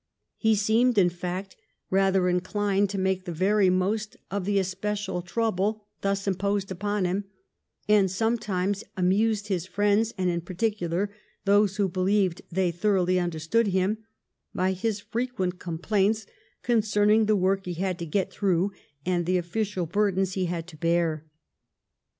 He seemed, in fact, rather inclined to make the very most of the especial trouble thus imposed upon him, and sometimes amused his friends, and in particular those who believed they thoroughly understood him, by his frequent complaints concerning the work he had to get through and the official burdens he had to bear.